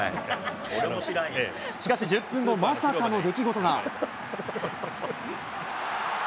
しかし１０分後、まさかの出来事が。